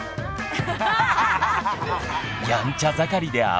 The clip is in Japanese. アハハハ！